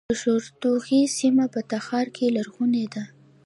د شورتوغۍ سیمه په تخار کې لرغونې ده